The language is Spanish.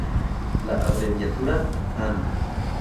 La abreviatura "Anh.